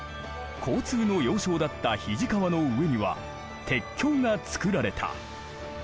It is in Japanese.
交通の要衝だった肱川の上には鉄橋がつくられた。